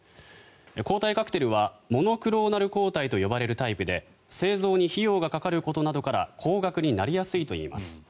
抗体カクテルはモノクローナル抗体と呼ばれるタイプで製造に費用がかかることなどから高額になりやすいといいます。